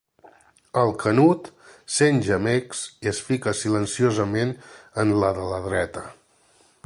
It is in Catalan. El canut sent gemecs i es fica silenciosament en la de la dreta.